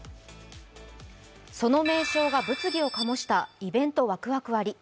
その名称が物議を醸したイベントワクワク割。